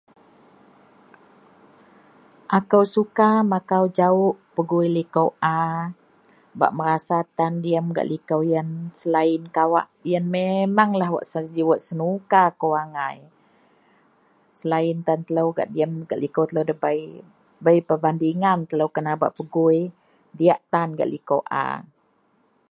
Ako suka makau jawok pegui liko a bak merasa tan diyem gak liko iyen selayin kawak iyen memenglah wak saji senuka kou angai selayin tan telo diyem gak liko telo debei, bei perbandingan telo kena bak pegui diyak tan gak liko a.